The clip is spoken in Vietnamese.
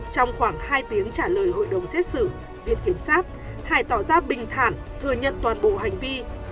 trong khoảng hai tiếng trả lời hội đồng xét xử viện kiểm sát hải tỏ ra bình thản thừa nhận toàn bộ hành vi